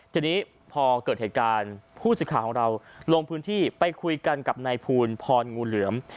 ทีนี้พอเกิดเหตุการณ์ผู้สื่อข่าวของเราลงพื้นที่ไปคุยกันกับนายภูลพรงูเหลือม